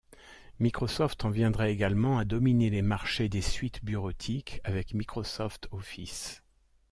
Microsoft en viendrait également à dominer le marché des suites bureautiques avec Microsoft Office.